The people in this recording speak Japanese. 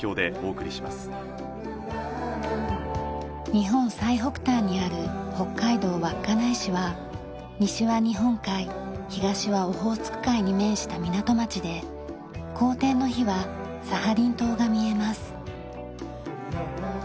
日本最北端にある北海道稚内市は西は日本海東はオホーツク海に面した港町で好天の日はサハリン島が見えます。